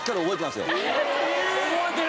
覚えてる？